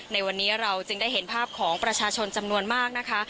ในวันนี้เราจึงได้เห็นภาพของประชาชนจำนวนมากนะคะ